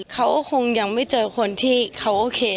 เขาก็คงยังไม่เจอคนที่เขาโอเค